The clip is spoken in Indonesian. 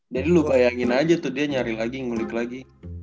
jadi lu kayakin aja tuh dia nyari lagi ngulik lagi